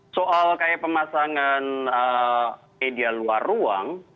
soal kayak pemasangan media luar ruang